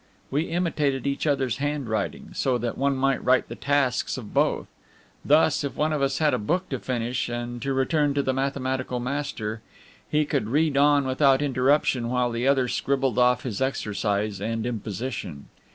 We imitated each other's handwriting, so that one might write the tasks of both. Thus, if one of us had a book to finish and to return to the mathematical master, he could read on without interruption while the other scribbled off his exercise and imposition.